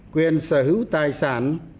quyền sở hữu tài sản